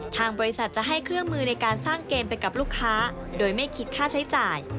ทางบริษัทจะให้เครื่องมือในการสร้างเกมไปกับลูกค้าโดยไม่คิดค่าใช้จ่าย